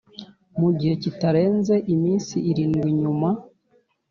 Mu gihe kitarenze iminsi irindwi nyuma